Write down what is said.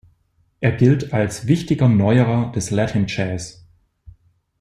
Er gilt als „wichtiger Neuerer“ des Latin Jazz.